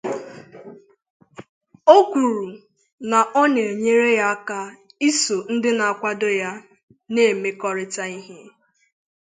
O kwuru na ọ na-enyere ya aka iso ndị na-akwado ya na-emekọrịta ihe.